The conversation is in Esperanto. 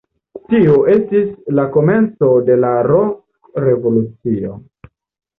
Tio estis la komenco de la rok-revolucio.